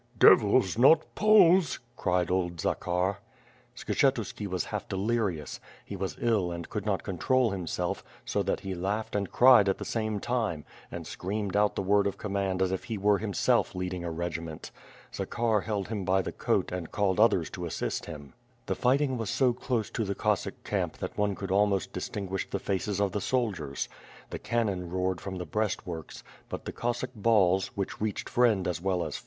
"Devils! not Poles!" cried old Zakhar. Skshetuski was half delirious; he was ill and could not con trol himself, so that he laughed and cried at the same time, and screamed out the word of command as if he were himsejf holding a regiment. Zakhar held him by the coat, and called others to assist him. WITH FIRE AND SWORD. ,77 The fighting was so close to the Cossack camp that one could almost distinguish the faces of the soldiers. The can non roared from the breast works, but the Cossack balls, which reached friend as well as.